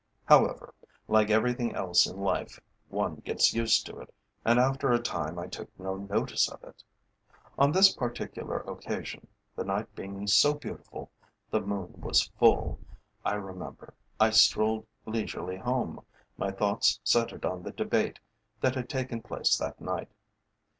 However, like everything else in life, one gets used to it, and after a time I took no notice of it. On this particular occasion, the night being so beautiful, the moon was full, I remember, I strolled leisurely home, my thoughts centred on the debate that had taken place that night.